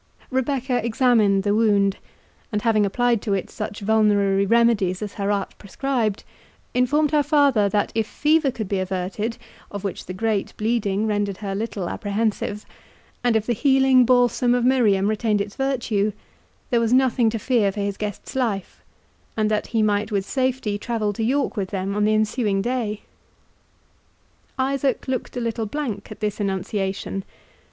Rebecca examined the wound, and having applied to it such vulnerary remedies as her art prescribed, informed her father that if fever could be averted, of which the great bleeding rendered her little apprehensive, and if the healing balsam of Miriam retained its virtue, there was nothing to fear for his guest's life, and that he might with safety travel to York with them on the ensuing day. Isaac looked a little blank at this annunciation.